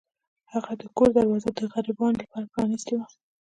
هغه د کور دروازه د غریبانو لپاره پرانیستې وه.